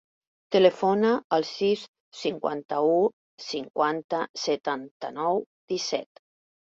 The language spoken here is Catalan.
Telefona al sis, cinquanta-u, cinquanta, setanta-nou, disset.